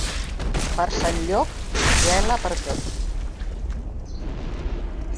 Per Sant Llop, gela per tot.